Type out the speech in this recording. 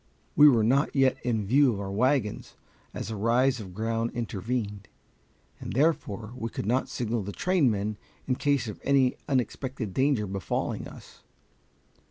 We were not yet in view of our wagons, as a rise of ground intervened, and therefore we could not signal the trainmen in case of any unexpected danger befalling us.